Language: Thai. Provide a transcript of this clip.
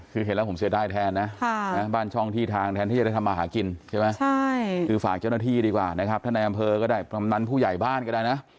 คือฝากเจ้าหน้าที่ดีกว่าถ้าในอำเภอก็ได้ดังนั้นผู้ใหญ่บ้านก็ได้นะ